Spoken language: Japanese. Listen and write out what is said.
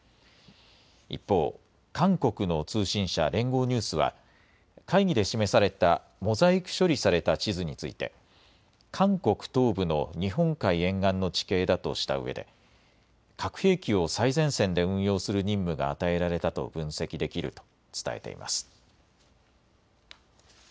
一方、韓国の通信社、連合ニュースは会議で示されたモザイク処理された地図について韓国東部の日本海沿岸の地形だとしたうえで核兵器を最前線で運用する任務が与えられたと分析できると伝えています。